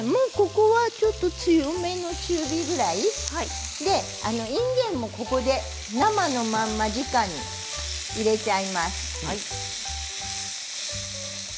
ここは、ちょっと強めの中火ぐらいにいんげんもここで生のままじかに入れちゃいます。